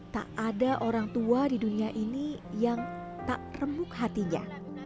tak ada orang tua di dunia ini yang tak remuk hatinya